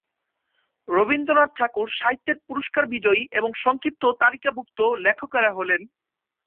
রবীন্দ্রনাথ ঠাকুর সাহিত্যের পুরস্কার বিজয়ী এবং সংক্ষিপ্ত তালিকাভুক্ত লেখকেরা হলেন।